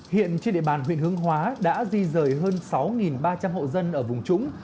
hiện trên địa bàn huyện hướng hóa đã di rời hơn sáu ba trăm linh hộ dân ở vùng trũng